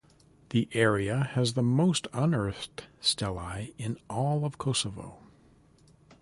The area has the most unearthed stelae in all of Kosovo.